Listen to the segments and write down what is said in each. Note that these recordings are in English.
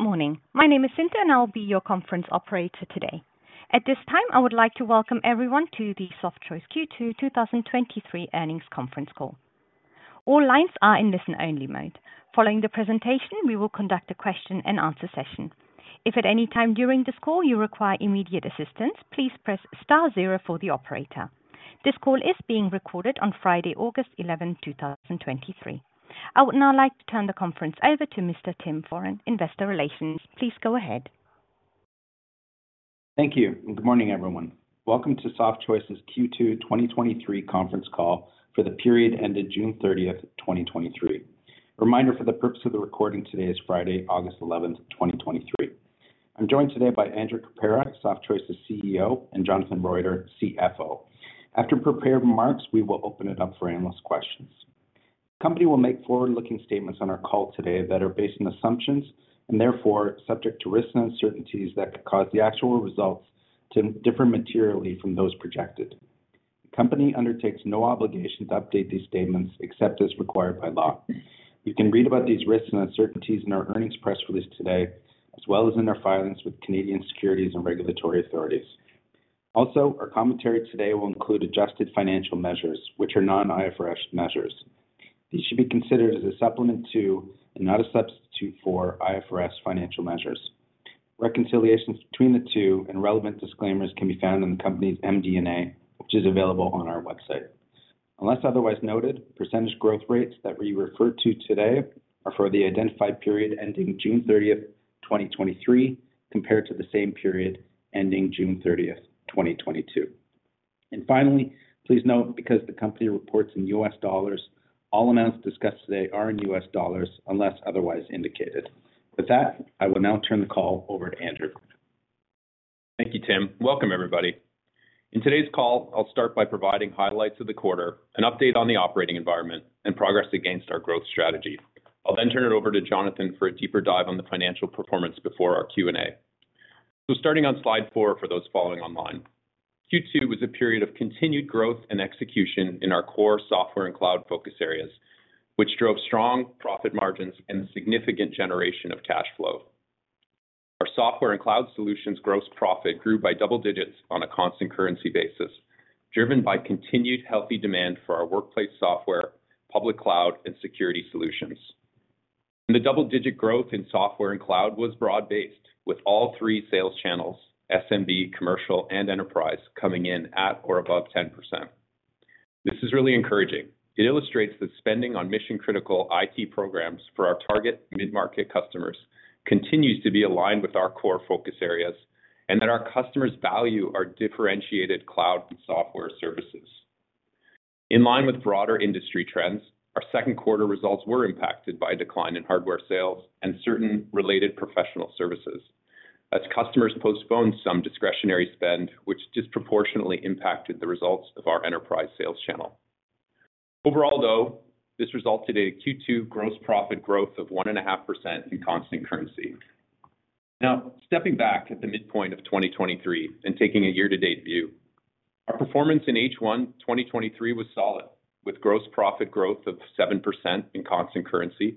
Good morning. My name is Cinta, and I'll be your conference operator today. At this time, I would like to welcome everyone to the Softchoice Q2 2023 Earnings Conference Call. All lines are in listen-only mode. Following the presentation, we will conduct a question-and-answer session. If at any time during this call you require immediate assistance, please press star zero for the operator. This call is being recorded on Friday, August 11, 2023. I would now like to turn the conference over to Mr. Tim Foran, Investor Relations. Please go ahead. Thank you, good morning, everyone. Welcome to Softchoice's Q2 2023 Conference Call for the period ended June 30, 2023. A reminder, for the purpose of the recording, today is Friday, August 11, 2023. I'm joined today by Andrew Caprara, Softchoice's CEO, and Jonathan Roiter, CFO. After prepared remarks, we will open it up for analyst questions. The company will make forward-looking statements on our call today that are based on assumptions and therefore subject to risks and uncertainties that could cause the actual results to differ materially from those projected. The company undertakes no obligation to update these statements except as required by law. You can read about these risks and uncertainties in our earnings press release today, as well as in our filings with Canadian securities and regulatory authorities. Our commentary today will include adjusted financial measures, which are non-IFRS measures. These should be considered as a supplement to, and not a substitute for, IFRS financial measures. Reconciliations between the two and relevant disclaimers can be found in the company's MD&A, which is available on our website. Unless otherwise noted, percentage growth rates that we refer to today are for the identified period ending June 30th, 2023, compared to the same period ending June 30th, 2022. Finally, please note, because the company reports in US dollars, all amounts discussed today are in US dollars, unless otherwise indicated. With that, I will now turn the call over to Andrew. Thank you, Tim. Welcome, everybody. In today's call, I'll start by providing highlights of the quarter, an update on the operating environment, and progress against our growth strategy. I'll then turn it over to Jonathan for a deeper dive on the financial performance before our Q&A. Starting on slide four for those following online. Q2 was a period of continued growth and execution in our core software and cloud focus areas, which drove strong profit margins and significant generation of cash flow. Our software and cloud solutions gross profit grew by double digits on a constant currency basis, driven by continued healthy demand for our workplace software, public cloud, and security solutions. The double-digit growth in software and cloud was broad-based, with all three sales channels, SMB, Commercial, and enterprise, coming in at or above 10%. This is really encouraging. It illustrates that spending on mission-critical IT programs for our target mid-market customers continues to be aligned with our core focus areas and that our customers value our differentiated cloud and software services. In line with broader industry trends, our second quarter results were impacted by a decline in hardware sales and certain related professional services as customers postponed some discretionary spend, which disproportionately impacted the results of our enterprise sales channel. Overall, though, this resulted in a Q2 gross profit growth of 1.5% in constant currency. Stepping back at the midpoint of 2023 and taking a year-to-date view, our performance in H1 2023 was solid, with gross profit growth of 7% in constant currency,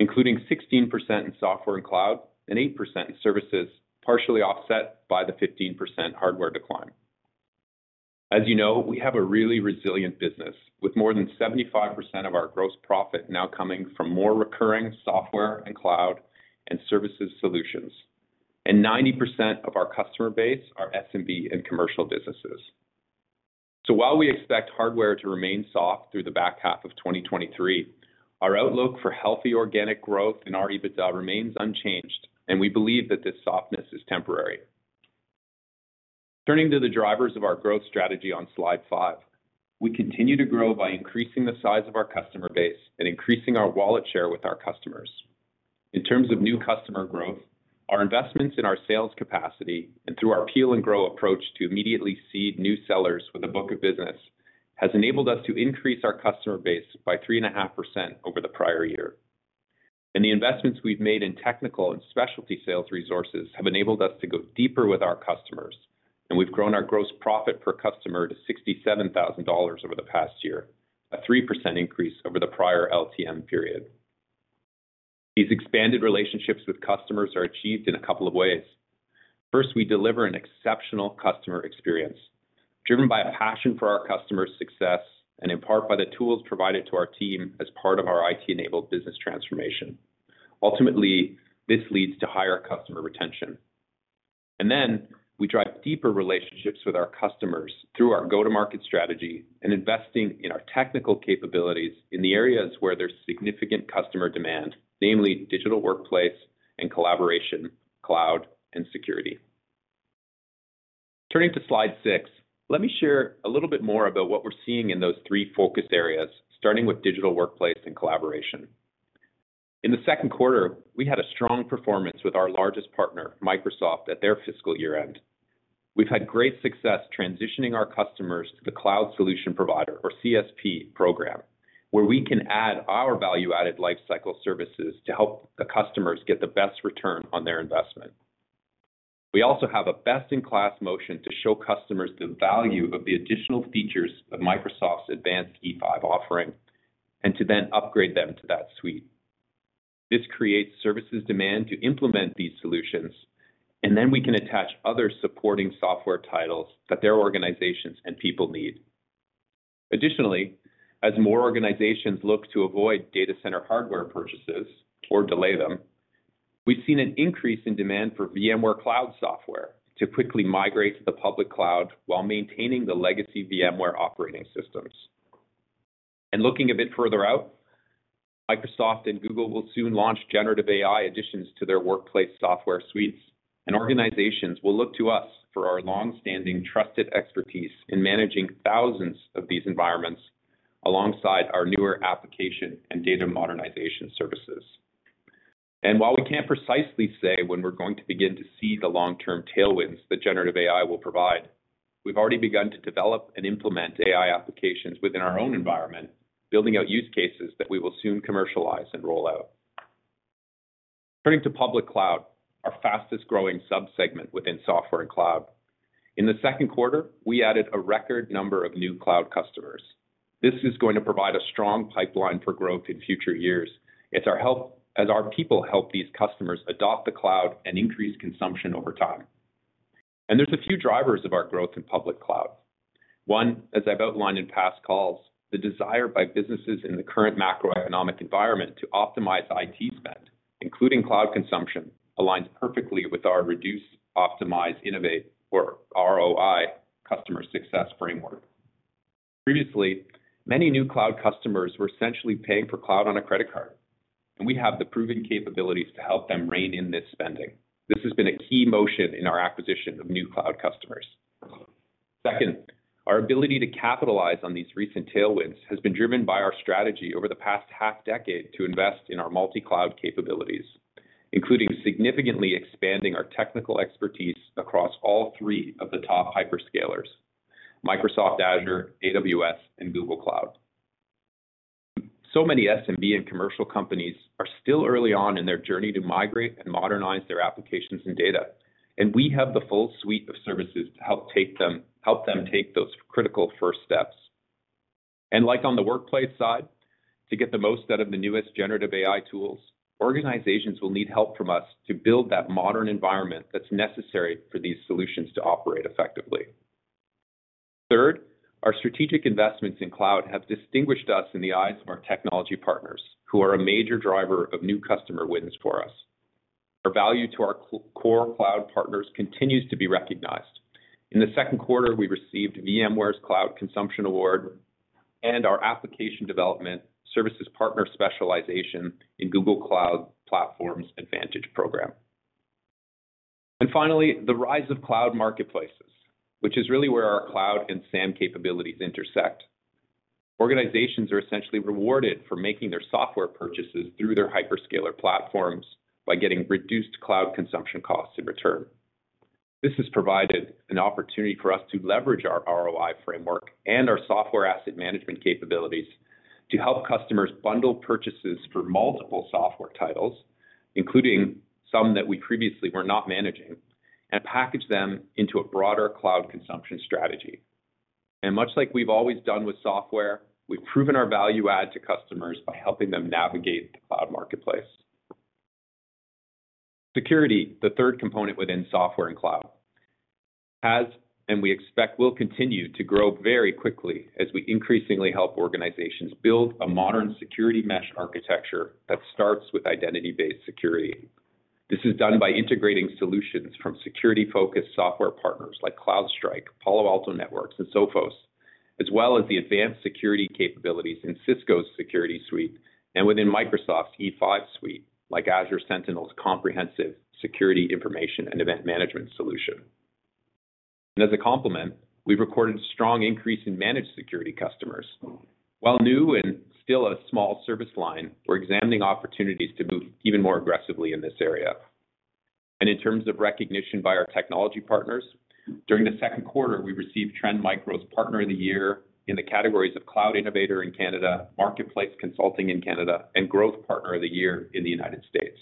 including 16% in software and cloud and 8% in services, partially offset by the 15% hardware decline. You know, we have a really resilient business, with more than 75% of our gross profit now coming from more recurring software and cloud and services solutions, and 90% of our customer base are SMB and Commercial businesses. While we expect hardware to remain soft through the back half of 2023, our outlook for healthy organic growth in our EBITDA remains unchanged, and we believe that this softness is temporary. Turning to the drivers of our growth strategy on slide five, we continue to grow by increasing the size of our customer base and increasing our wallet share with our customers. In terms of new customer growth, our investments in our sales capacity and through our peel-and-grow approach to immediately seed new sellers with a book of business, has enabled us to increase our customer base by 3.5% over the prior year. The investments we've made in technical and specialty sales resources have enabled us to go deeper with our customers, and we've grown our gross profit per customer to $67,000 over the past year, a 3% increase over the prior LTM period. These expanded relationships with customers are achieved in a couple of ways. First, we deliver an exceptional customer experience, driven by a passion for our customers' success and in part by the tools provided to our team as part of our IT-enabled business transformation. Ultimately, this leads to higher customer retention. Then we drive deeper relationships with our customers through our go-to-market strategy and investing in our technical capabilities in the areas where there's significant customer demand, namely digital workplace and collaboration, cloud, and security. Turning to slide six, let me share a little bit more about what we're seeing in those three focus areas, starting with digital workplace and collaboration. In the second quarter, we had a strong performance with our largest partner, Microsoft, at their fiscal year-end. We've had great success transitioning our customers to the Cloud Solution Provider, or CSP, program, where we can add our value-added lifecycle services to help the customers get the best return on their investment. We also have a best-in-class motion to show customers the value of the additional features of Microsoft's advanced E5 offering, and to then upgrade them to that suite. This creates services demand to implement these solutions, and then we can attach other supporting software titles that their organizations and people need. Additionally, as more organizations look to avoid data center hardware purchases or delay them, we've seen an increase in demand for VMware Cloud software to quickly migrate to the public cloud while maintaining the legacy VMware operating systems. Looking a bit further out, Microsoft and Google will soon launch Generative AI additions to their workplace software suites, and organizations will look to us for our long-standing, trusted expertise in managing thousands of these environments, alongside our newer application and data modernization services. While we can't precisely say when we're going to begin to see the long-term tailwinds that Generative AI will provide, we've already begun to develop and implement AI applications within our own environment, building out use cases that we will soon commercialize and roll out. Turning to public cloud, our fastest-growing sub-segment within software and cloud. In the second quarter, we added a record number of new cloud customers. This is going to provide a strong pipeline for growth in future years. As our people help these customers adopt the cloud and increase consumption over time. There's a few drivers of our growth in public cloud. One, as I've outlined in past calls, the desire by businesses in the current macroeconomic environment to optimize IT spend, including cloud consumption, aligns perfectly with our Reduce, Optimize, Innovate, or ROI customer success framework. Previously, many new cloud customers were essentially paying for cloud on a credit card, and we have the proven capabilities to help them rein in this spending. This has been a key motion in our acquisition of new cloud customers. Second, our ability to capitalize on these recent tailwinds has been driven by our strategy over the past half decade to invest in our multi-cloud capabilities, including significantly expanding our technical expertise across all three of the top hyperscalers: Microsoft Azure, AWS, and Google Cloud. Many SMB and Commercial companies are still early on in their journey to migrate and modernize their applications and data, and we have the full suite of services to help them take those critical first steps. Like on the workplace side, to get the most out of the newest Generative AI tools, organizations will need help from us to build that modern environment that's necessary for these solutions to operate effectively. Third, our strategic investments in cloud have distinguished us in the eyes of our technology partners, who are a major driver of new customer wins for us. Our value to our core cloud partners continues to be recognized. In the second quarter, we received VMware's Cloud Consumption Award and our Application Development Services Partner Specialization in Google Cloud Platform's Advantage Program. Finally, the rise of cloud marketplaces, which is really where our cloud and SAM capabilities intersect. Organizations are essentially rewarded for making their software purchases through their hyperscaler platforms by getting reduced cloud consumption costs in return. This has provided an opportunity for us to leverage our ROI Framework and our Software Asset Management capabilities to help customers bundle purchases for multiple software titles, including some that we previously were not managing, and package them into a broader cloud consumption strategy. Much like we've always done with software, we've proven our value add to customers by helping them navigate the cloud marketplace. Security, the third component within software and cloud, has, and we expect will continue to grow very quickly as we increasingly help organizations build a modern Security Mesh Architecture that starts with identity-based security. This is done by integrating solutions from security-focused software partners like CrowdStrike, Palo Alto Networks, and Sophos, as well as the advanced security capabilities in Cisco's security suite and within Microsoft E5 suite, like Azure Sentinel's comprehensive Security Information and Event Management solution. As a complement, we've recorded strong increase in managed security customers. While new and still a small service line, we're examining opportunities to move even more aggressively in this area. In terms of recognition by our technology partners, during the second quarter, we received Trend Micro's Partner of the Year in the categories of Cloud Innovator in Canada, Marketplace Consulting in Canada, and Growth Partner of the Year in the United States.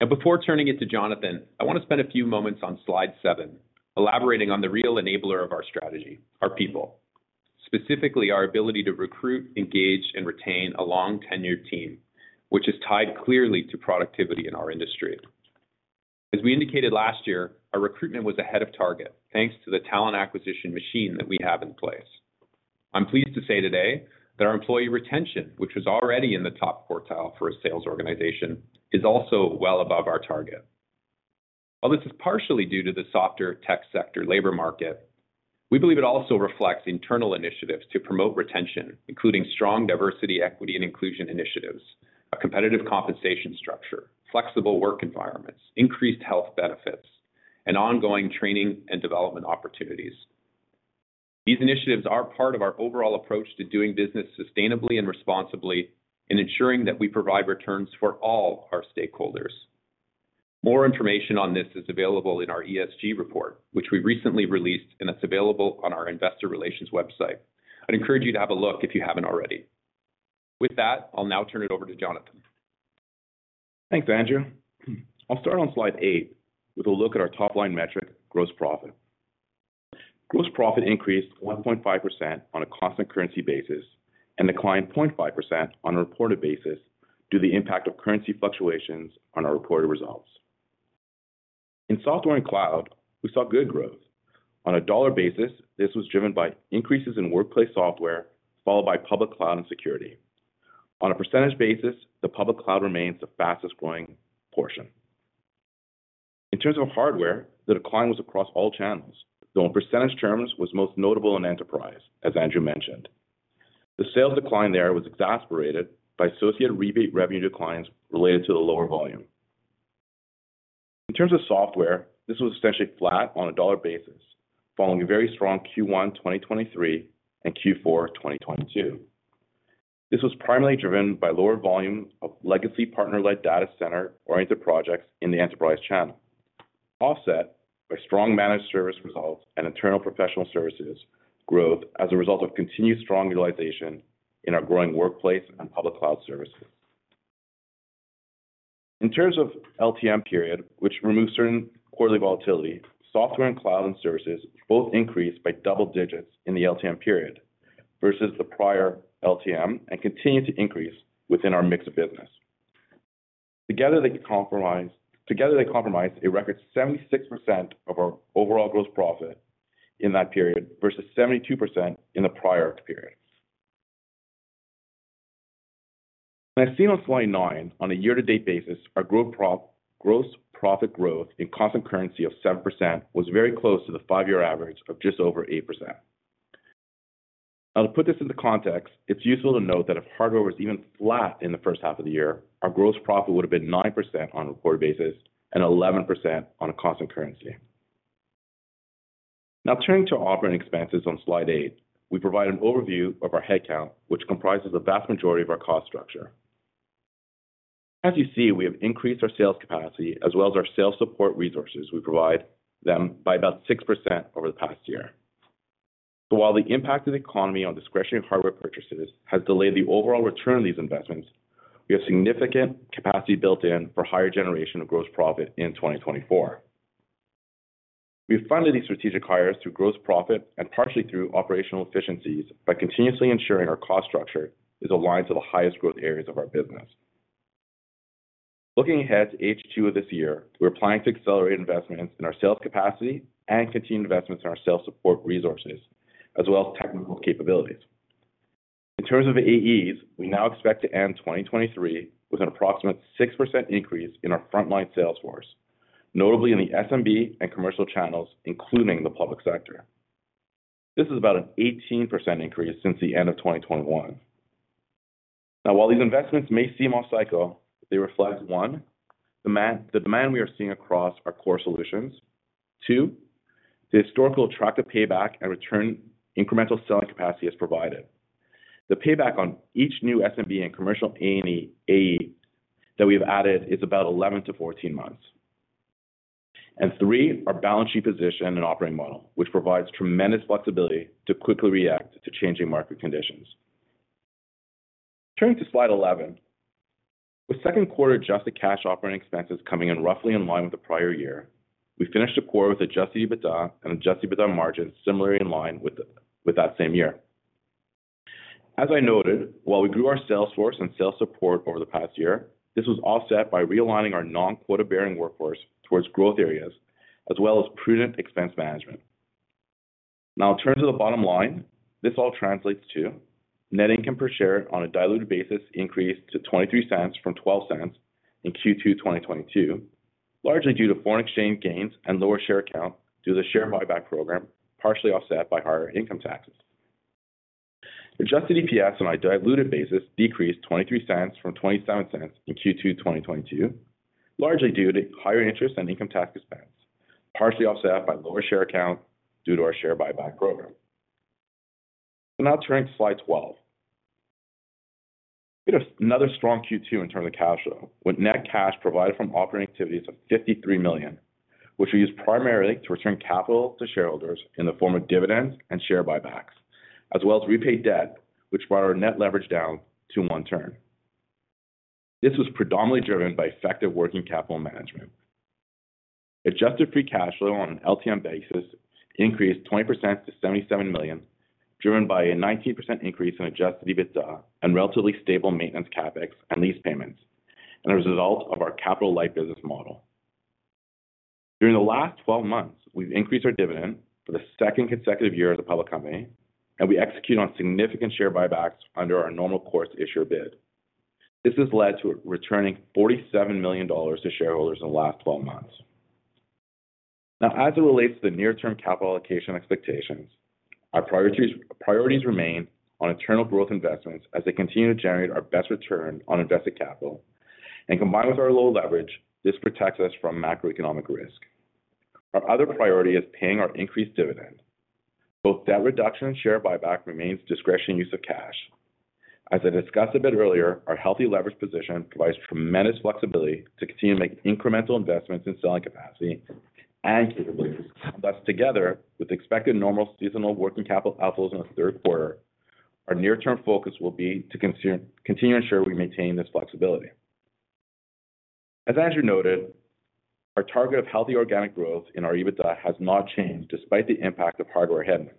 Now, before turning it to Jonathan, I want to spend a few moments on slide seven, elaborating on the real enabler of our strategy, our people. Specifically, our ability to recruit, engage, and retain a long-tenured team, which is tied clearly to productivity in our industry. As we indicated last year, our recruitment was ahead of target, thanks to the talent acquisition machine that we have in place. I'm pleased to say today that our employee retention, which was already in the top quartile for a sales organization, is also well above our target. While this is partially due to the softer tech sector labor market, we believe it also reflects internal initiatives to promote retention, including strong diversity, equity, and inclusion initiatives, a competitive compensation structure, flexible work environments, increased health benefits, and ongoing training and development opportunities. These initiatives are part of our overall approach to doing business sustainably and responsibly, and ensuring that we provide returns for all our stakeholders. More information on this is available in our ESG report, which we recently released, and it's available on our investor relations website. I'd encourage you to have a look if you haven't already. With that, I'll now turn it over to Jonathan. Thanks, Andrew. I'll start on slide eight with a look at our top-line metric, gross profit. Gross profit increased 1.5% on a constant currency basis and declined 0.5% on a reported basis due to the impact of currency fluctuations on our reported results. In software and cloud, we saw good growth. On a dollar basis, this was driven by increases in workplace software, followed by public cloud and security. On a percentage basis, the public cloud remains the fastest-growing portion. In terms of hardware, the decline was across all channels, though in percentage terms, was most notable in enterprise, as Andrew mentioned. The sales decline there was exacerbated by associated rebate revenue declines related to the lower volume. In terms of software, this was essentially flat on a dollar basis, following a very strong Q1 2023 and Q4 2022. This was primarily driven by lower volume of legacy partner-led data center-oriented projects in the enterprise channel, offset by strong managed service results and internal professional services growth as a result of continued strong utilization in our growing workplace and public cloud services. In terms of LTM period, which removes certain quarterly volatility, software and cloud and services both increased by double digits in the LTM period versus the prior LTM and continue to increase within our mix of business. Together, they comprise, together they comprise a record 76% of our overall gross profit in that period, versus 72% in the prior period. As seen on slide nine, on a year-to-date basis, our growth gross profit growth in constant currency of 7% was very close to the five-year average of just over 8%. To put this into context, it's useful to note that if hardware was even flat in the first half of the year, our gross profit would have been 9% on a reported basis and 11% on a constant currency. Turning to operating expenses on slide eight, we provide an overview of our headcount, which comprises the vast majority of our cost structure. As you see, we have increased our sales capacity as well as our sales support resources. We provide them by about 6% over the past year. While the impact of the economy on discretionary hardware purchases has delayed the overall return on these investments, we have significant capacity built in for higher generation of gross profit in 2024. We funded these strategic hires through gross profit and partially through operational efficiencies by continuously ensuring our cost structure is aligned to the highest growth areas of our business. Looking ahead to H2 of this year, we're planning to accelerate investments in our sales capacity and continue investments in our sales support resources, as well as technical capabilities. In terms of the AEs, we now expect to end 2023 with an approximate 6% increase in our frontline sales force, notably in the SMB and Commercial channels, including the public sector. This is about an 18% increase since the end of 2021. While these investments may seem off cycle, they reflect, one, the demand we are seeing across our core solutions. Two, the historical attractive payback and return incremental selling capacity has provided. The payback on each new SMB and Commercial AE that we've added is about 11-14 months. Three, our balance sheet position and operating model, which provides tremendous flexibility to quickly react to changing market conditions. Turning to slide 11. With second quarter adjusted cash operating expenses coming in roughly in line with the prior year, we finished the quarter with adjusted EBITDA and adjusted EBITDA margin similarly in line with that same year. As I noted, while we grew our sales force and sales support over the past year, this was offset by realigning our non-quota-bearing workforce towards growth areas, as well as prudent expense management. In terms of the bottom line, this all translates to net income per share on a diluted basis increased to $0.23 from $0.12 in Q2 2022, largely due to foreign exchange gains and lower share count due to the share buyback program, partially offset by higher income taxes. Adjusted EPS on a diluted basis decreased $0.23 from $0.27 in Q2 2022, largely due to higher interest and income tax expense, partially offset by lower share count due to our share buyback program. Turning to slide 12. We had another strong Q2 in terms of cash flow, with net cash provided from operating activities of $53 million, which we use primarily to return capital to shareholders in the form of dividends and share buybacks, as well as repay debt, which brought our net leverage down to one turn. This was predominantly driven by effective working capital management. Adjusted free cash flow on an LTM basis increased 20% to $77 million, driven by a 19% increase in adjusted EBITDA and relatively stable maintenance CapEx and lease payments, and a result of our capital-light business model. During the last twelve months, we've increased our dividend for the second consecutive year as a public company, and we execute on significant share buybacks under our Normal Course Issuer Bid. This has led to returning $47 million to shareholders in the last twelve months. Now, as it relates to the near-term capital allocation expectations, our priorities remain on internal growth investments as they continue to generate our best return on invested capital. Combined with our low leverage, this protects us from macroeconomic risk. Our other priority is paying our increased dividend. Both debt reduction and share buyback remains discretionary use of cash. As I discussed a bit earlier, our healthy leverage position provides tremendous flexibility to continue to make incremental investments in selling capacity and capabilities. Thus, together with expected normal seasonal working capital outflows in the third quarter, our near-term focus will be to continue ensure we maintain this flexibility. As Andrew noted, our target of healthy organic growth in our EBITDA has not changed despite the impact of hardware headwinds.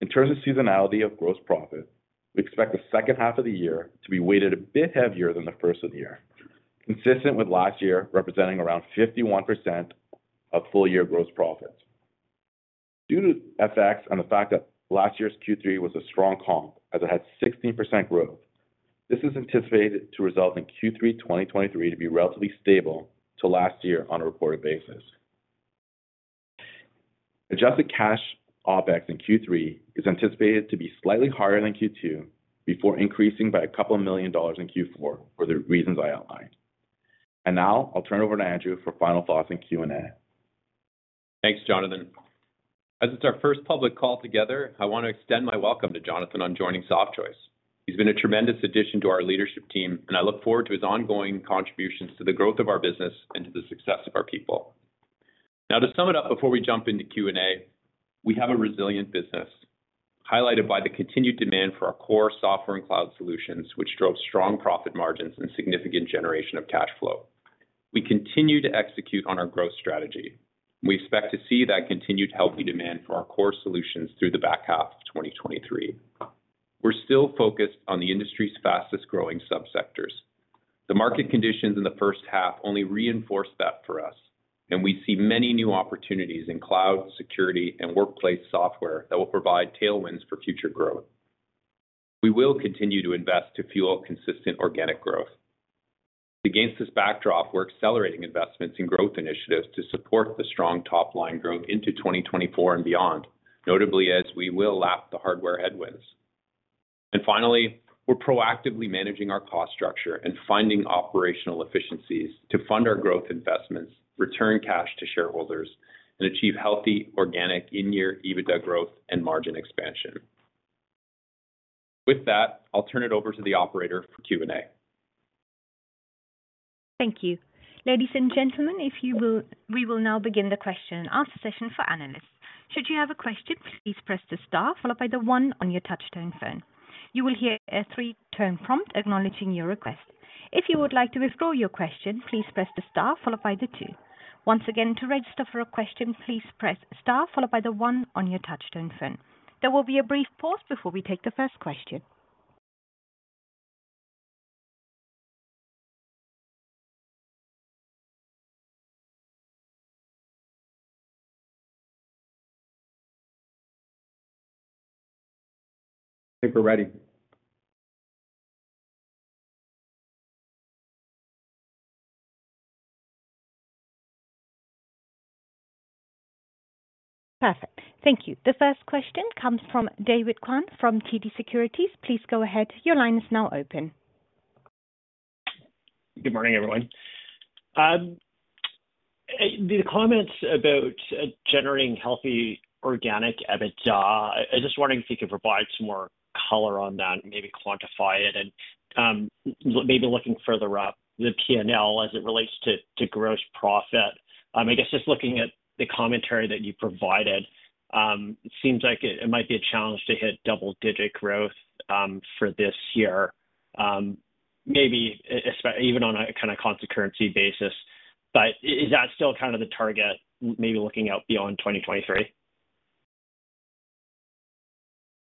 In terms of seasonality of gross profit, we expect the second half of the year to be weighted a bit heavier than the first of the year, consistent with last year, representing around 51% of full-year gross profit. Due to FX and the fact that last year's Q3 was a strong comp, as it had 16% growth, this is anticipated to result in Q3 2023 to be relatively stable to last year on a reported basis. Adjusted cash OpEx in Q3 is anticipated to be slightly higher than Q2, before increasing by $2 million in Q4 for the reasons I outlined. Now I'll turn it over to Andrew for final thoughts and Q&A. Thanks, Jonathan. As it's our first public call together, I want to extend my welcome to Jonathan on joining Softchoice. He's been a tremendous addition to our leadership team, and I look forward to his ongoing contributions to the growth of our business and to the success of our people. To sum it up before we jump into Q&A, we have a resilient business, highlighted by the continued demand for our core software and cloud solutions, which drove strong profit margins and significant generation of cash flow. We continue to execute on our growth strategy. We expect to see that continued healthy demand for our core solutions through the back half of 2023. We're still focused on the industry's fastest-growing subsectors. The market conditions in the first half only reinforced that for us, and we see many new opportunities in cloud, security, and workplace software that will provide tailwinds for future growth. We will continue to invest to fuel consistent organic growth. Against this backdrop, we're accelerating investments in growth initiatives to support the strong top-line growth into 2024 and beyond, notably as we will lap the hardware headwinds. Finally, we're proactively managing our cost structure and finding operational efficiencies to fund our growth investments, return cash to shareholders, and achieve healthy organic in-year EBITDA growth and margin expansion. With that, I'll turn it over to the operator for Q&A. Thank you. Ladies and gentlemen, we will now begin the question and answer session for analysts. Should you have a question, please press the star followed by the one on your touch-tone phone. You will hear a three-tone prompt acknowledging your request. If you would like to withdraw your question, please press the star followed by the two. Once again, to register for a question, please press the star followed by the one on your touch-tone phone. There will be a brief pause before we take the first question. We're ready. Perfect. Thank you. The first question comes from David Kwan from TD Securities. Please go ahead. Your line is now open. Good morning, everyone. The comments about generating healthy organic EBITDA, I just wondering if you could provide some more color on that and maybe quantify it and maybe looking further up the P&L as it relates to gross profit. I guess just looking at the commentary that you provided, it seems like it might be a challenge to hit double-digit growth for this year, maybe even on a kind of constant currency basis. Is that still kind of the target, maybe looking out beyond 2023?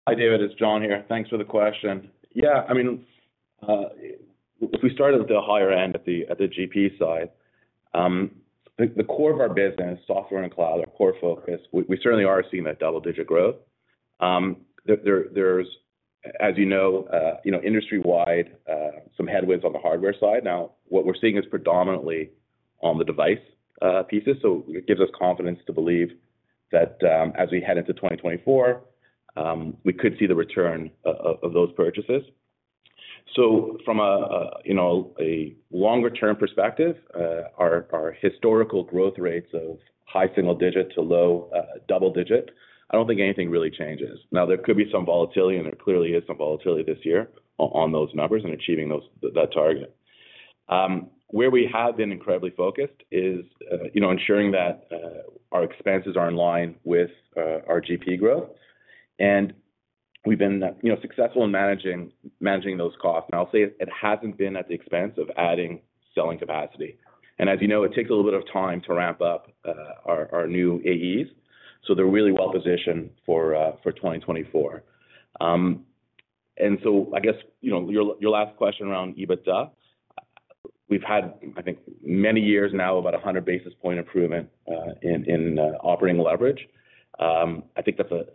Hi, David, it's Jon here. Thanks for the question. Yeah. I mean, if we start at the higher end, at the GP side, the core of our business, software and cloud, our core focus, we certainly are seeing that double-digit growth. There's, as you know, industry-wide, some headwinds on the hardware side. Now, what we're seeing is predominantly on the device pieces, so it gives us confidence to believe that as we head into 2024, we could see the return of those purchases. From a, you know, a longer-term perspective, our historical growth rates of high single-digit to low double-digit, I don't think anything really changes. There could be some volatility, and there clearly is some volatility this year on those numbers and achieving those, that target. Where we have been incredibly focused is, you know, ensuring that our expenses are in line with our GP growth. We've been, you know, successful in managing, managing those costs. I'll say it hasn't been at the expense of adding selling capacity. As you know, it takes a little bit of time to ramp up our, our new AEs, so they're really well positioned for 2024. I guess, you know, your, your last question around EBITDA, we've had, I think, many years now, about a 100 basis points improvement in operating leverage. I think that's a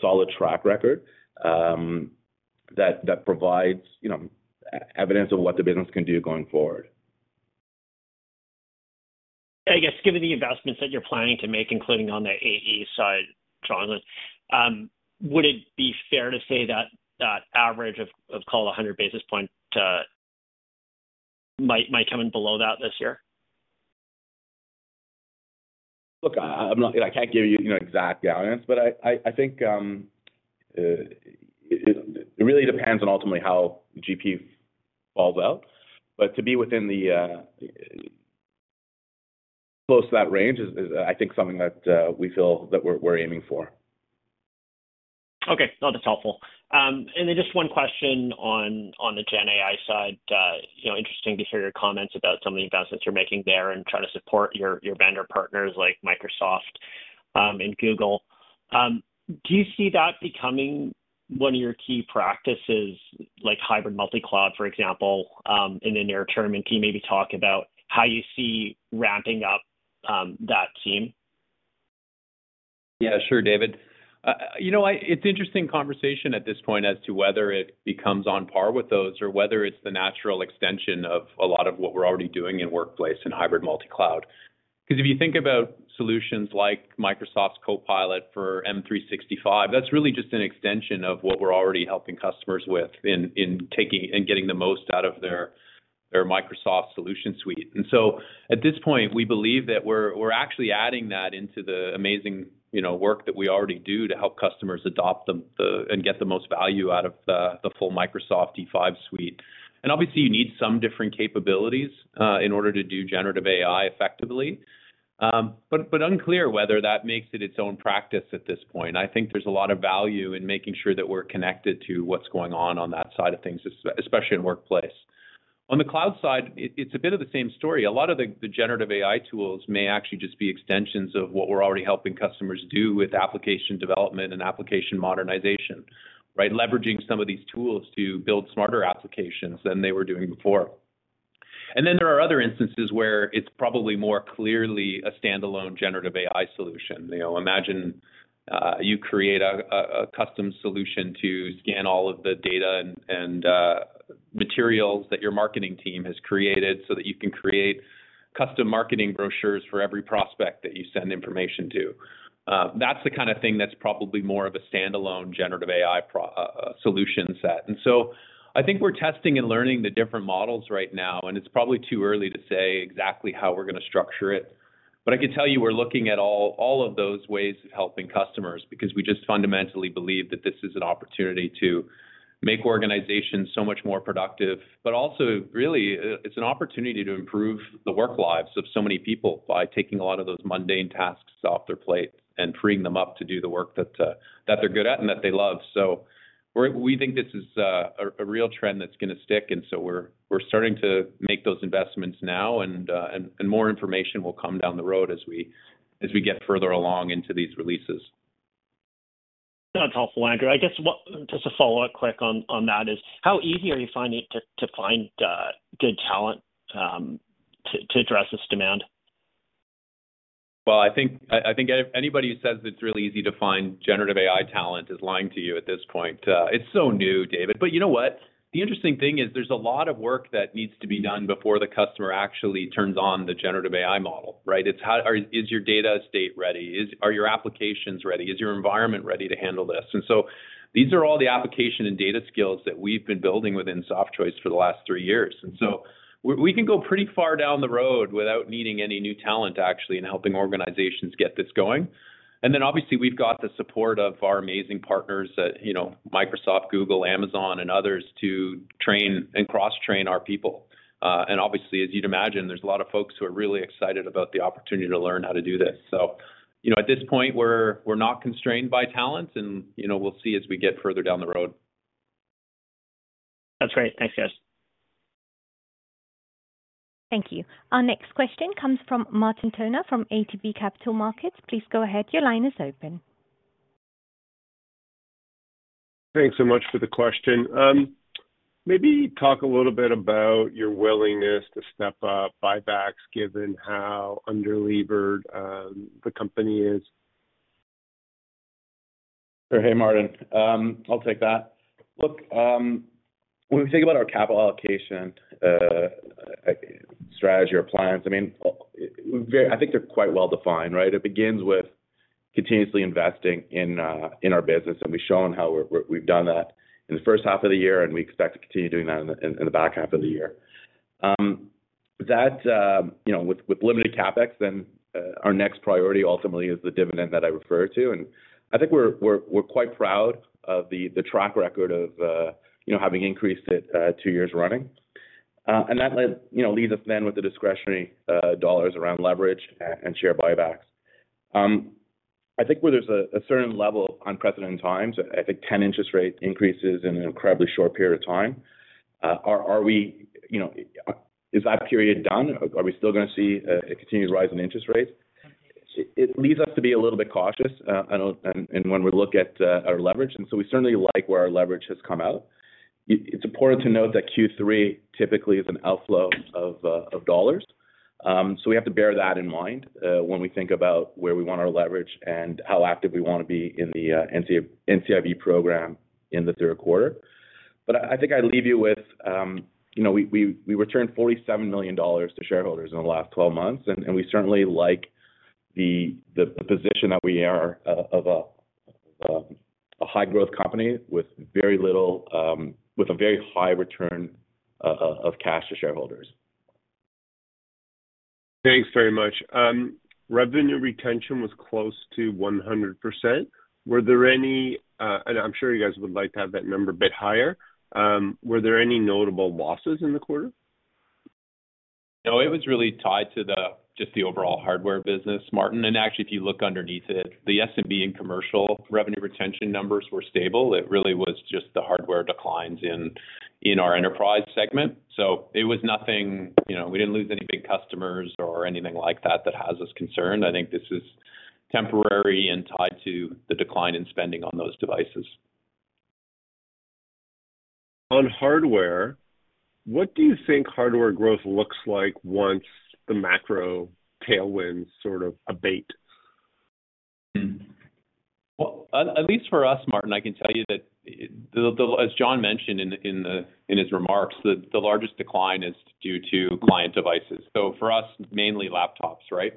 solid track record, that provides, you know, evidence of what the business can do going forward. I guess, given the investments that you're planning to make, including on the AE side, Jonathan, would it be fair to say that that average of, of call 100 basis points, might, might come in below that this year? Look, I'm not I can't give you, you know, exact guidance, but I think it really depends on ultimately how GP-.... falls out. To be within the close to that range is, is I think something that we feel that we're, we're aiming for. Okay. No, that's helpful. Just one question on, on the GenAI side. You know, interesting to hear your comments about some of the investments you're making there and try to support your, your vendor partners like Microsoft, and Google. Do you see that becoming one of your key practices, like hybrid Multi-cloud, for example, in the near term? Can you maybe talk about how you see ramping up, that team? Yeah, sure, David. You know, it's interesting conversation at this point as to whether it becomes on par with those or whether it's the natural extension of a lot of what we're already doing in Workplace and hybrid multi-cloud. If you think about solutions like Microsoft's Copilot for M365, that's really just an extension of what we're already helping customers with in taking and getting the most out of their Microsoft solution suite. At this point, we believe that we're actually adding that into the amazing, you know, work that we already do to help customers adopt them and get the most value out of the full Microsoft E5 suite. Obviously, you need some different capabilities in order to do Generative AI effectively. But unclear whether that makes it its own practice at this point. I think there's a lot of value in making sure that we're connected to what's going on on that side of things, especially in Workplace. On the cloud side, it's a bit of the same story. A lot of the Generative AI tools may actually just be extensions of what we're already helping customers do with application development and application modernization, right? Leveraging some of these tools to build smarter applications than they were doing before. Then there are other instances where it's probably more clearly a standalone Generative AI solution. You know, imagine, you create a custom solution to scan all of the data and materials that your marketing team has created so that you can create custom marketing brochures for every prospect that you send information to. That's the kind of thing that's probably more of a standalone Generative AI solution set. I think we're testing and learning the different models right now, and it's probably too early to say exactly how we're gonna structure it. I can tell you we're looking at all, all of those ways of helping customers, because we just fundamentally believe that this is an opportunity to make organizations so much more productive. Also, really, it's an opportunity to improve the work lives of so many people by taking a lot of those mundane tasks off their plate and freeing them up to do the work that, that they're good at and that they love. We think this is a real trend that's going to stick, and so we're, we're starting to make those investments now, and more information will come down the road as we, as we get further along into these releases. That's helpful, Andrew. I guess, Just a follow-up quick on, on that, is: How easy are you finding it to, to find, good talent, to, to address this demand? Well, I think, I, I think if anybody says it's really easy to find Generative AI talent is lying to you at this point. It's so new, David. You know what? The interesting thing is, there's a lot of work that needs to be done before the customer actually turns on the Generative AI model, right? It's, is your data estate ready? Are your applications ready? Is your environment ready to handle this? These are all the application and data skills that we've been building within Softchoice for the last three years. We, we can go pretty far down the road without needing any new talent, actually, in helping organizations get this going. Obviously, we've got the support of our amazing partners at, you know, Microsoft, Google, Amazon, and others, to train and cross-train our people. Obviously, as you'd imagine, there's a lot of folks who are really excited about the opportunity to learn how to do this. You know, at this point, we're, we're not constrained by talent and, you know, we'll see as we get further down the road. That's great. Thanks, guys. Thank you. Our next question comes from Martin Toner from ATB Capital Markets. Please go ahead. Your line is open. Thanks so much for the question. Maybe talk a little bit about your willingness to step up buybacks, given how underlevered the company is? Hey, Martin, I'll take that. Look, when we think about our capital allocation strategy or plans, I mean, I think they're quite well-defined, right? It begins with continuously investing in our business, and we've shown how we've done that in the first half of the year, and we expect to continue doing that in the back half of the year. That, you know, with limited CapEx, then our next priority ultimately is the dividend that I referred to. I think we're quite proud of the track record of, you know, having increased it two years running. That led, you know, leaves us then with the discretionary dollars around leverage and share buybacks. I think where there's a certain level of unprecedented times, I think 10 interest rate increases in an incredibly short period of time. Are we... You know, is that period done, or are we still going to see a continued rise in interest rates? It leads us to be a little bit cautious, and when we look at our leverage, so we certainly like where our leverage has come out. It's important to note that Q3 typically is an outflow of dollars. So we have to bear that in mind when we think about where we want our leverage and how active we want to be in the NCIB program in the third quarter. I, I think I'd leave you with, you know, we, we, we returned $47 million to shareholders in the last 12 months, and we certainly like the position that we are of a high-growth company with very little... with a very high return of cash to shareholders. Thanks very much. revenue retention was close to 100%. Were there any, and I'm sure you guys would like to have that number a bit higher, were there any notable losses in the quarter? No, it was really tied to the, just the overall hardware business, Martin. Actually, if you look underneath it, the SMB and Commercial revenue retention numbers were stable. It really was just the hardware declines in, in our enterprise segment. It was nothing, you know, we didn't lose any big customers or anything like that, that has us concerned. I think this is temporary and tied to the decline in spending on those devices. On hardware, what do you think hardware growth looks like once the macro tailwinds sort of abate? At least for us, Martin, I can tell you that as Jon mentioned in his remarks, the largest decline is due to client devices. For us, mainly laptops, right?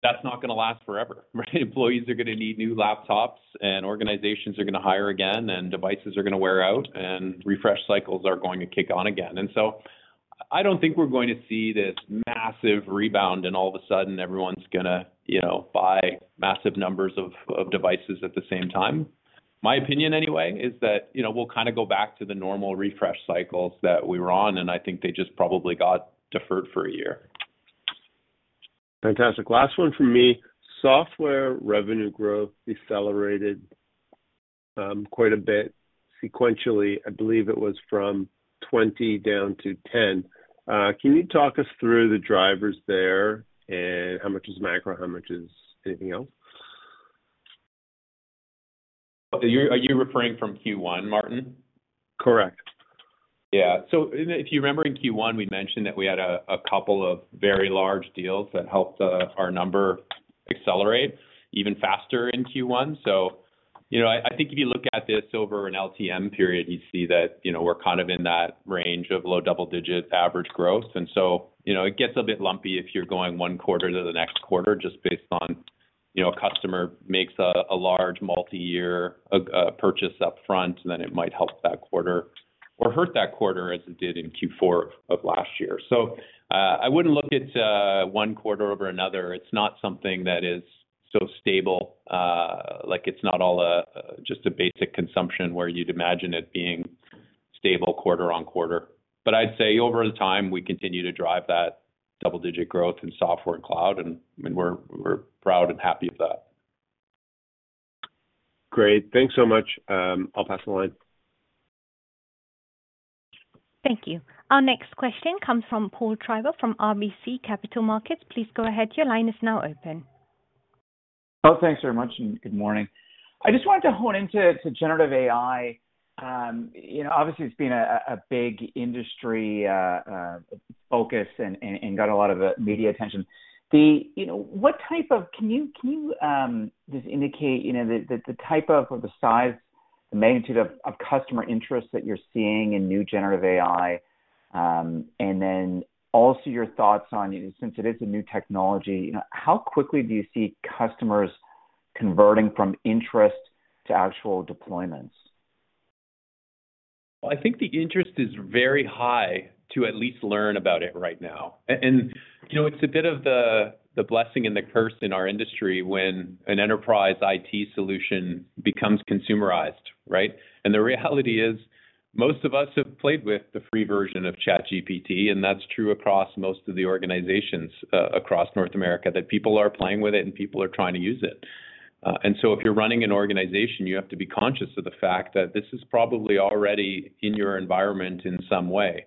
That's not gonna last forever, right? Employees are gonna need new laptops, and organizations are gonna hire again, and devices are gonna wear out, and refresh cycles are going to kick on again. I don't think we're going to see this massive rebound, and all of a sudden, everyone's gonna, you know, buy massive numbers of devices at the same time. My opinion, anyway, is that, you know, we'll kind of go back to the normal refresh cycles that we were on, and I think they just probably got deferred for a year. Fantastic. Last one from me: Software revenue growth decelerated, quite a bit sequentially. I believe it was from 20 down to 10. Can you talk us through the drivers there, and how much is macro, how much is anything else? Are you, are you referring from Q1, Martin? Correct. Yeah. If you remember in Q1, we mentioned that we had a couple of very large deals that helped our number accelerate even faster in Q1. You know, I, I think if you look at this over an LTM period, you see that, you know, we're kind of in that range of low double-digit average growth. You know, it gets a bit lumpy if you're going 1 quarter to the next quarter, just based on, you know, a customer makes a large multi-year purchase upfront, and then it might help that quarter or hurt that quarter, as it did in Q4 of last year. I wouldn't look at 1 quarter over another. It's not something that is so stable. Like, it's not all just a basic consumption where you'd imagine it being stable quarter on quarter. I'd say over time, we continue to drive that double-digit growth in software and cloud, and we're, we're proud and happy of that. Great. Thanks so much. I'll pass the line. Thank you. Our next question comes from Paul Treiber from RBC Capital Markets. Please go ahead. Your line is now open. Oh, thanks very much, and good morning. I just wanted to hone into Generative AI. You know, obviously, it's been a big industry focus and got a lot of media attention. You know, can you just indicate, you know, the type of or the size, the magnitude of customer interest that you're seeing in new Generative AI? Then also your thoughts on, you know, since it is a new technology, you know, how quickly do you see customers converting from interest to actual deployments? I think the interest is very high to at least learn about it right now. You know, it's a bit of the blessing and the curse in our industry when an enterprise IT solution becomes consumerized, right? The reality is, most of us have played with the free version of ChatGPT, and that's true across most of the organizations, across North America, that people are playing with it, and people are trying to use it. If you're running an organization, you have to be conscious of the fact that this is probably already in your environment in some way.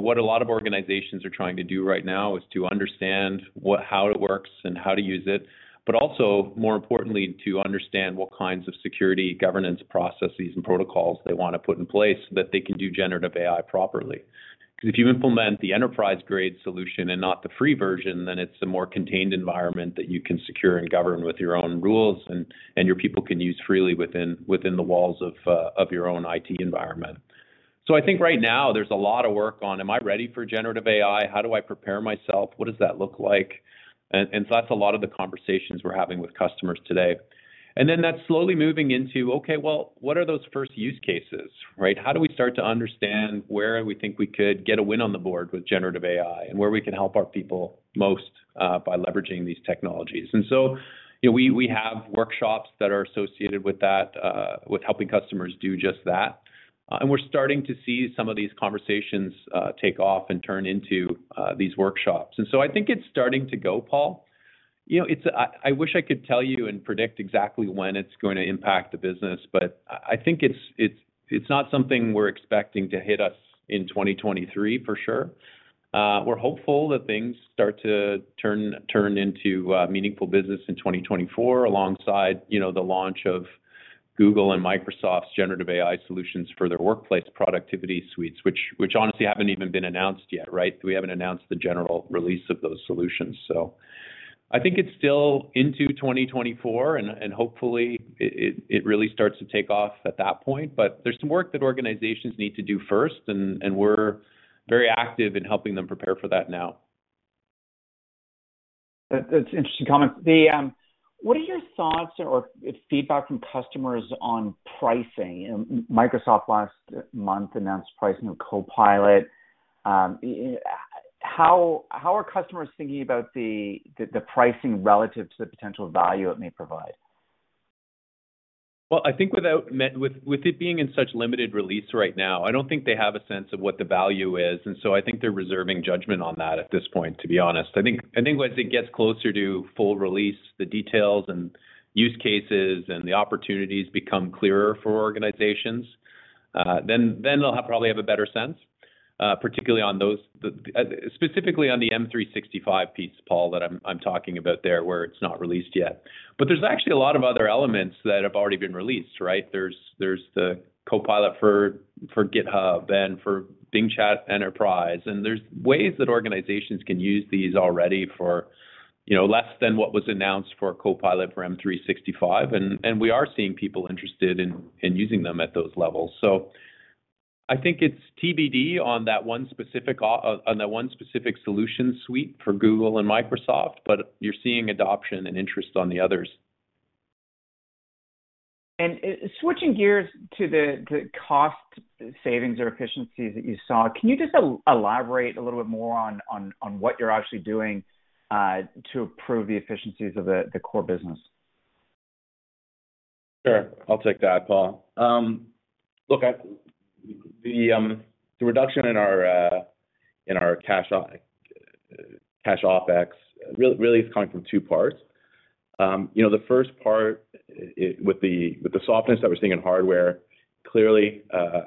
What a lot of organizations are trying to do right now is to understand what how it works and how to use it, but also, more importantly, to understand what kinds of security, governance, processes, and protocols they want to put in place so that they can do Generative AI properly. Because if you implement the enterprise-grade solution and not the free version, then it's a more contained environment that you can secure and govern with your own rules, and, and your people can use freely within, within the walls of your own IT environment. I think right now there's a lot of work on: Am I ready for Generative AI? How do I prepare myself? What does that look like? That's a lot of the conversations we're having with customers today. That's slowly moving into, Okay, well, what are those first use cases, right? How do we start to understand where we think we could get a win on the board with Generative AI, and where we can help our people most by leveraging these technologies? You know, we, we have workshops that are associated with that, with helping customers do just that. We're starting to see some of these conversations take off and turn into these workshops. I think it's starting to go, Paul. You know, I, I wish I could tell you and predict exactly when it's going to impact the business, but I, I think it's, it's, it's not something we're expecting to hit us in 2023, for sure. We're hopeful that things start to turn, turn into meaningful business in 2024, alongside, you know, the launch of Google and Microsoft's Generative AI solutions for their workplace productivity suites, which, which honestly haven't even been announced yet, right? We haven't announced the general release of those solutions, I think it's still into 2024, and, and hopefully, it, it, it really starts to take off at that point. There's some work that organizations need to do first, and, and we're very active in helping them prepare for that now. That's interesting comment. The, what are your thoughts or feedback from customers on pricing? Microsoft last month announced pricing of Copilot. how, how are customers thinking about the, the, the pricing relative to the potential value it may provide? Well, I think without it being in such limited release right now, I don't think they have a sense of what the value is, and so I think they're reserving judgment on that at this point, to be honest. I think once it gets closer to full release, the details and use cases, and the opportunities become clearer for organizations, then they'll probably have a better sense, particularly on those... Specifically on the M365 piece, Paul, that I'm talking about there, where it's not released yet. There's actually a lot of other elements that have already been released, right? There's the Copilot for GitHub and for Bing Chat Enterprise, and there's ways that organizations can use these already for, you know, less than what was announced for Copilot for M365. We are seeing people interested in, in using them at those levels. I think it's TBD on that one specific on that one specific solution suite for Google and Microsoft, but you're seeing adoption and interest on the others. Switching gears to the, the cost savings or efficiencies that you saw, can you just elaborate a little bit more on, on, on what you're actually doing, to improve the efficiencies of the, the core business? Sure. I'll take that, Paul. Look, at the reduction in our cash OpEx really, really is coming from two parts. You know, the first part with the softness that we're seeing in hardware, clearly,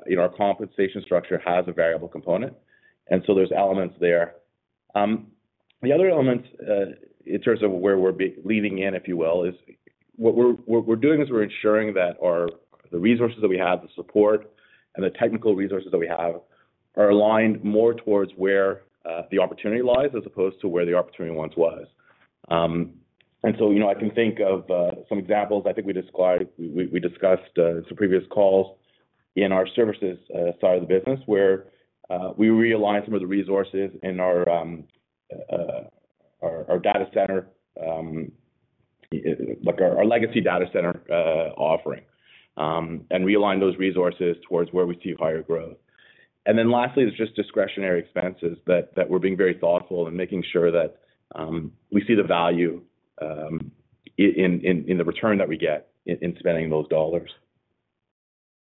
you know, our compensation structure has a variable component, and so there's elements there. The other elements, in terms of where we're leaning in, if you will, is what we're doing is we're ensuring that our the resources that we have, the support and the technical resources that we have, are aligned more towards where the opportunity lies, as opposed to where the opportunity once was. So, you know, I can think of some examples. I think we discussed, we, we, we discussed some previous calls in our services side of the business, where we realigned some of the resources in our data center like our legacy data center offering and realign those resources towards where we see higher growth. Lastly, it's just discretionary expenses that we're being very thoughtful and making sure that we see the value in the return that we get in spending those dollars.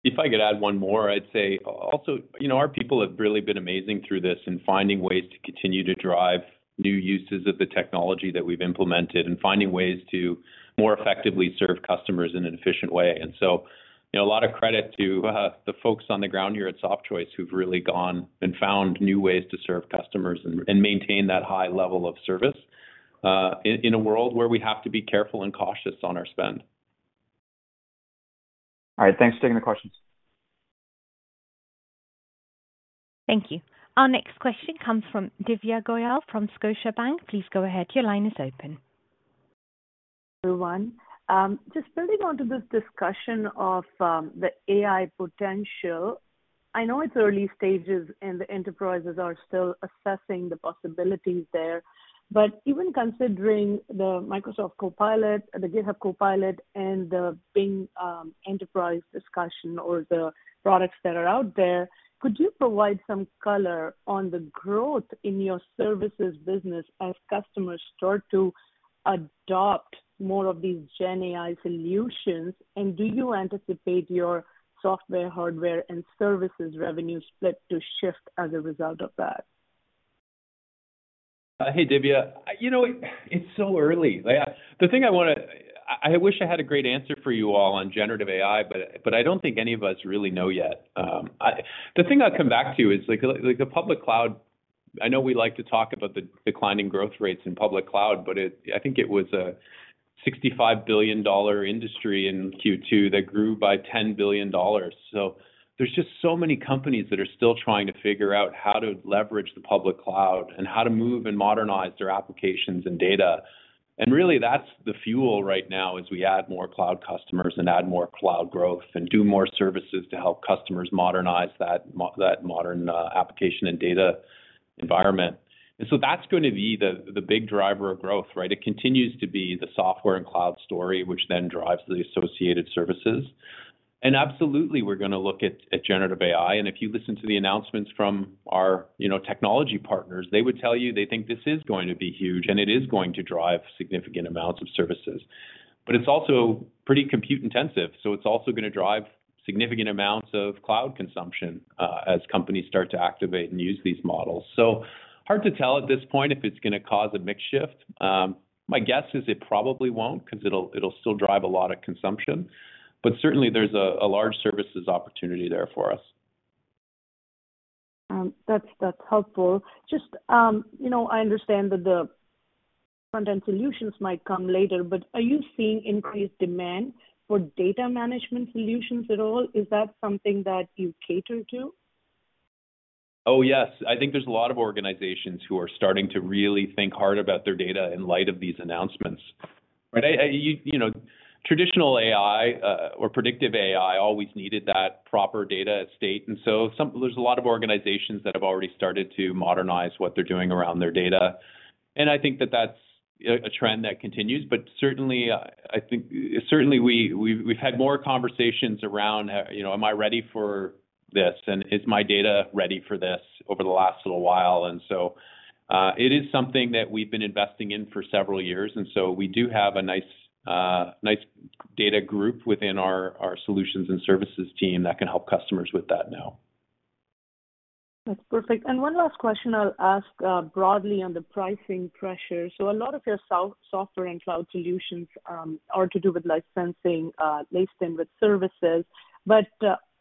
If I could add one more, I'd say also, you know, our people have really been amazing through this in finding ways to continue to drive new uses of the technology that we've implemented, and finding ways to more effectively serve customers in an efficient way. You know, a lot of credit to the folks on the ground here at Softchoice who've really gone and found new ways to serve customers and, and maintain that high level of service, in a world where we have to be careful and cautious on our spend. All right. Thanks for taking the questions. Thank you. Our next question comes from Divya Goyal, from Scotiabank. Please go ahead. Your line is open. Everyone, just building on to this discussion of the AI potential. I know it's early stages, and the enterprises are still assessing the possibilities there, but even considering the Microsoft Copilot, the Copilot for GitHub, and the Bing Chat Enterprise discussion, or the products that are out there, could you provide some color on the growth in your services business as customers start to adopt more of these GenAI solutions? Do you anticipate your software, hardware, and services revenue split to shift as a result of that? Hey, Divya. You know, it's so early. The thing I wanna... I, I wish I had a great answer for you all on Generative AI, but, but I don't think any of us really know yet. I the thing I'd come back to is like, like the public cloud, I know we like to talk about the declining growth rates in public cloud, but I think it was a $65 billion industry in Q2 that grew by $10 billion. There's just so many companies that are still trying to figure out how to leverage the public cloud and how to move and modernize their applications and data. Really, that's the fuel right now, as we add more cloud customers and add more cloud growth, and do more services to help customers modernize that modern application and data environment. That's going to be the, the big driver of growth, right? It continues to be the software and cloud story, which then drives the associated services. Absolutely, we're gonna look at, at Generative AI, and if you listen to the announcements from our, you know, technology partners, they would tell you they think this is going to be huge, and it is going to drive significant amounts of services. It's also pretty compute-intensive, so it's also gonna drive significant amounts of cloud consumption, as companies start to activate and use these models. Hard to tell at this point, if it's gonna cause a mix shift. My guess is it probably won't, 'cause it'll, it'll still drive a lot of consumption, but certainly, there's a, a large services opportunity there for us. That's, that's helpful. Just, you know, I understand that the front-end solutions might come later, but are you seeing increased demand for data management solutions at all? Is that something that you cater to? Oh, yes. I think there's a lot of organizations who are starting to really think hard about their data in light of these announcements. Right? You know, traditional AI or predictive AI always needed that proper data estate. There's a lot of organizations that have already started to modernize what they're doing around their data, and I think that that's a trend that continues. Certainly, certainly, we've had more conversations around, you know, "Am I ready for this, and is my data ready for this?" over the last little while. It is something that we've been investing in for several years, and so we do have a nice, nice data group within our, our solutions and services team that can help customers with that now. That's perfect. One last question I'll ask broadly on the pricing pressure. A lot of your software and cloud solutions are to do with licensing, licensing with services.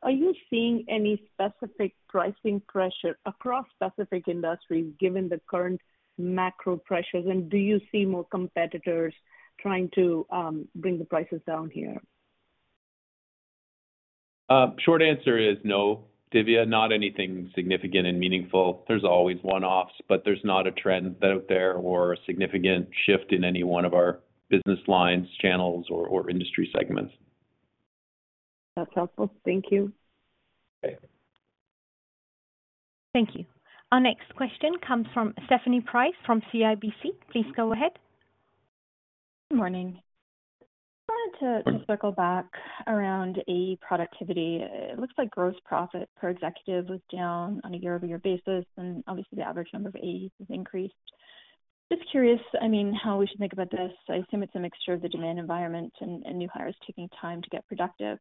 Are you seeing any specific pricing pressure across specific industries, given the current macro pressures? Do you see more competitors trying to bring the prices down here? short answer is no, Divya, not anything significant and meaningful. There's always one-offs, but there's not a trend out there or a significant shift in any one of our business lines, channels, or, or industry segments. That's helpful. Thank you. Okay. Thank you. Our next question comes from Stephanie Price from CIBC. Please go ahead. Good morning. I wanted to, to circle back around AE productivity. It looks like gross profit per executive was down on a year-over-year basis. Obviously, the average number of AEs has increased. Just curious, I mean, how we should think about this. I assume it's a mixture of the demand environment and new hires taking time to get productive.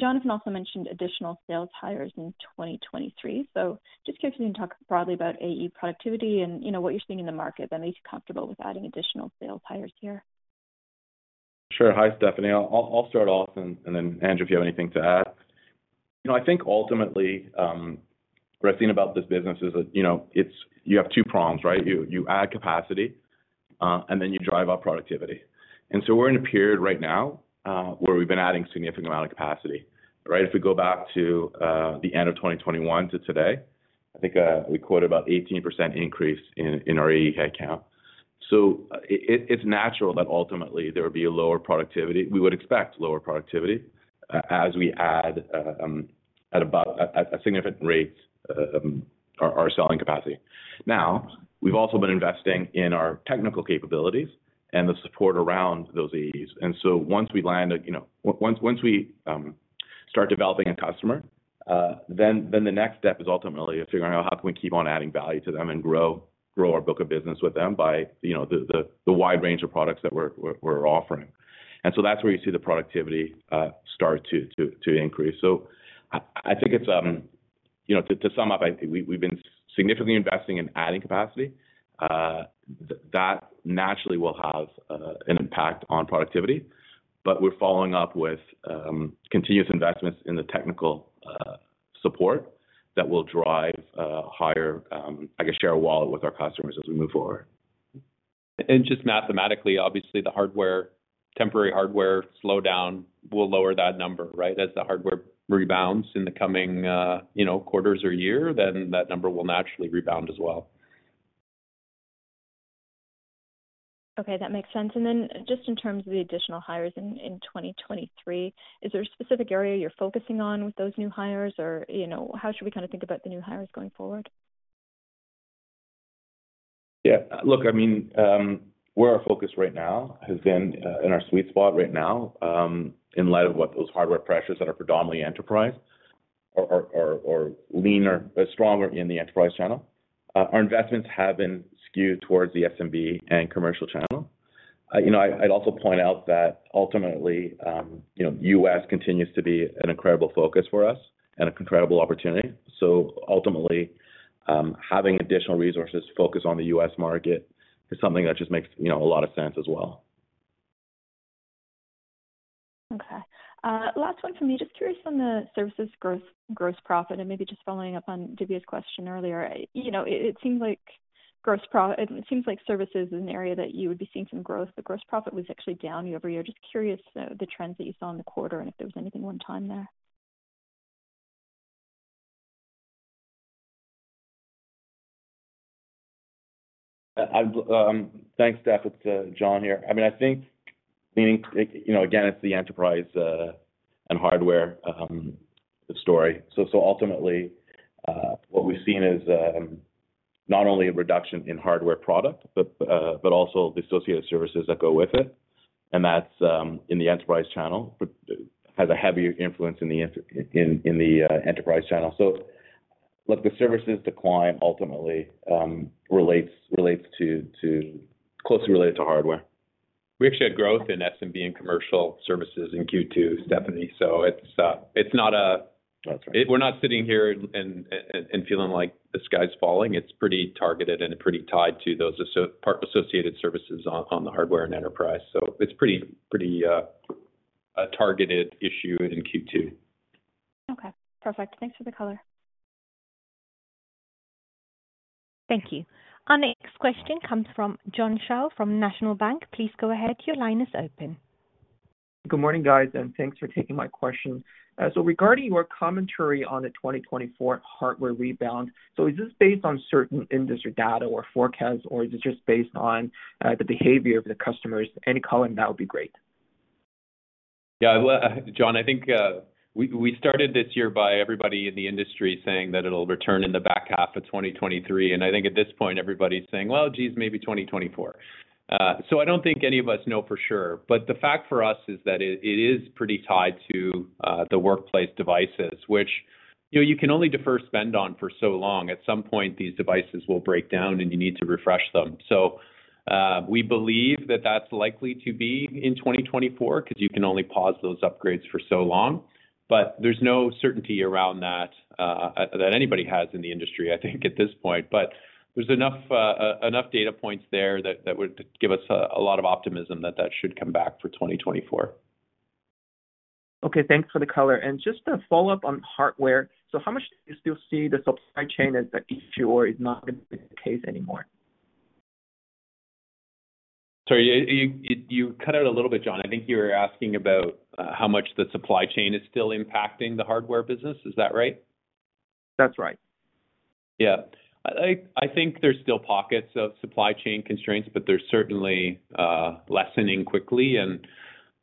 Jonathan also mentioned additional sales hires in 2023. Just curious if you can talk broadly about AE productivity and, you know, what you're seeing in the market that makes you comfortable with adding additional sales hires here. Sure. Hi, Stephanie. I'll, I'll, I'll start off, and then, Andrew, if you have anything to add. You know, I think ultimately, what I've seen about this business is that, you know, it's, you have two prongs, right? You add capacity, and then you drive up productivity. We're in a period right now, where we've been adding significant amount of capacity, right? If we go back to the end of 2021 to today, I think, we quoted about 18% increase in our AE head count. It's natural that ultimately there would be a lower productivity. We would expect lower productivity as we add at about a significant rate, our selling capacity. Now, we've also been investing in our technical capabilities and the support around those AEs. Once, once we start developing a customer, then the next step is ultimately figuring out how can we keep on adding value to them and grow, grow our book of business with them by, you know, the wide range of products that we're offering. That's where you see the productivity start to increase. I think it's, you know, to sum up, I think we've been significantly investing in adding capacity. That naturally will have an impact on productivity, but we're following up with continuous investments in the technical support that will drive higher, I guess, share of wallet with our customers as we move forward. Just mathematically, obviously, the hardware, temporary hardware slowdown will lower that number, right? As the hardware rebounds in the coming, you know, quarters or year, then that number will naturally rebound as well. Okay, that makes sense. Then just in terms of the additional hires in 2023, is there a specific area you're focusing on with those new hires? Or, you know, how should we kinda think about the new hires going forward? Yeah. Look, I mean, where our focus right now has been, in our sweet spot right now, in light of what those hardware pressures that are predominantly enterprise or, or, or, or leaner, stronger in the enterprise channel, our investments have been skewed towards the SMB and Commercial channel. You know, I, I'd also point out that ultimately, you know, U.S. continues to be an incredible focus for us and an incredible opportunity. Ultimately, having additional resources to focus on the U.S. market is something that just makes, you know, a lot of sense as well. Okay. Last one for me. Just curious on the services growth, gross profit, and maybe just following up on Divya's question earlier. You know, it, it seems like gross profit it seems like services is an area that you would be seeing some growth, but gross profit was actually down year-over-year. Just curious, the trends that you saw in the quarter and if there was anything one time there? I've... Thanks, Steph. It's Jon here. I mean, I think, meaning, it, you know, again, it's the enterprise and hardware story. Ultimately, what we've seen is, not only a reduction in hardware product, but, but also the associated services that go with it, and that's in the enterprise channel, but has a heavier influence in the enterprise channel. Look, the services decline ultimately, relates, relates to, to, closely related to hardware. We actually had growth in SMB and Commercial services in Q2, Stephanie. That's right. We're not sitting here and feeling like the sky's falling. It's pretty targeted and pretty tied to those associated services on the hardware and enterprise. It's pretty, pretty, a targeted issue in Q2. Okay. Perfect. Thanks for the color. Thank you. Our next question comes from John Shao from National Bank. Please go ahead. Your line is open. Good morning, guys, thanks for taking my question. Regarding your commentary on the 2024 hardware rebound, is this based on certain industry data or forecasts, or is it just based on the behavior of the customers? Any color, that would be great. Yeah, well, John, I think, we, we started this year by everybody in the industry saying that it'll return in the back half of 2023, I think at this point, everybody's saying, "Well, geez, maybe 2024." I don't think any of us know for sure, but the fact for us is that it, it is pretty tied to the workplace devices, which, you know, you can only defer spend on for so long. At some point, these devices will break down, and you need to refresh them. We believe that that's likely to be in 2024, 'cause you can only pause those upgrades for so long. There's no certainty around that, that anybody has in the industry, I think, at this point. there's enough, enough data points there that, that would give us a, a lot of optimism that that should come back for 2024. Okay, thanks for the color. Just a follow-up on hardware: how much do you still see the supply chain as the issue, or is it not going to be the case anymore? Sorry, you, you, you cut out a little bit, John. I think you were asking about how much the supply chain is still impacting the hardware business. Is that right? That's right. Yeah. I, think there's still pockets of supply chain constraints, but they're certainly lessening quickly and,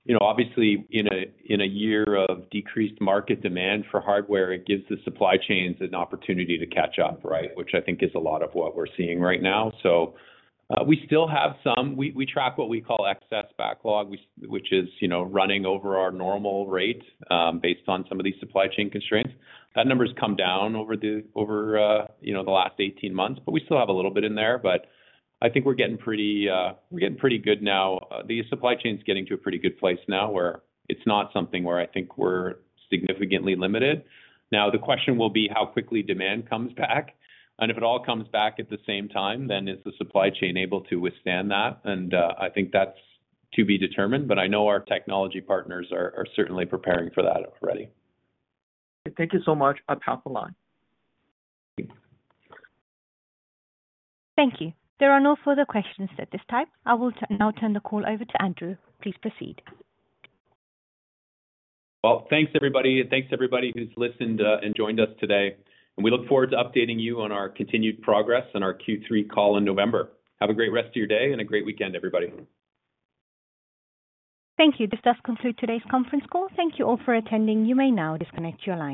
you know, obviously, in a, in a year of decreased market demand for hardware, it gives the supply chains an opportunity to catch up, right? Which I think is a lot of what we're seeing right now. We still have some. We, we track what we call excess backlog, which, which is, you know, running over our normal rate, based on some of these supply chain constraints. That number's come down over the, over, you know, the last 18 months, but we still have a little bit in there. I think we're getting pretty, we're getting pretty good now. The supply chain's getting to a pretty good place now, where it's not something where I think we're significantly limited. The question will be how quickly demand comes back, and if it all comes back at the same time, then is the supply chain able to withstand that? I think that's to be determined, but I know our technology partners are, are certainly preparing for that already. Thank you so much. I help a lot. Thank you. Thank you. There are no further questions at this time. I will now turn the call over to Andrew. Please proceed. Well, thanks, everybody. Thanks everybody who's listened and joined us today. We look forward to updating you on our continued progress on our Q3 call in November. Have a great rest of your day and a great weekend, everybody. Thank you. This does conclude today's Conference Call. Thank you all for attending. You may now disconnect your line.